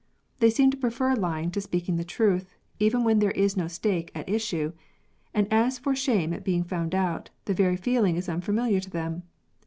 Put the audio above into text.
They seem to prefer lying to speaking the truth, even when there is no stake at issue; and as for shame at being found out, the very feeling is unfamiliar to them.